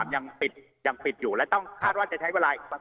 ยังปิดอยู่แล้วต้องคาดว่าจะใช้เวลา